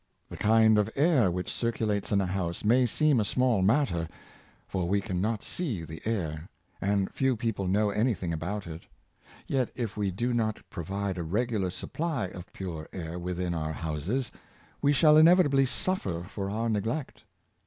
The kind of air which circulates in a house may seem a small matter, for we can not see the air, and few people know any thing about it; yet if we do not provide a regular supply of pure air within our houses, we shall inevitably suffer for our neglect.